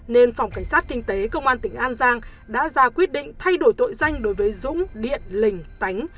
nên phòng cảnh sát kinh tế công an tỉnh an giang đã ra quyết định thay đổi tội danh đối với dũng điện lình tánh